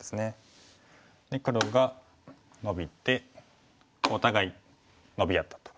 で黒がノビてお互いノビ合ったと。